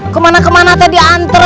kemana kemana tadi diantar